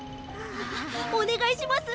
おねがいします！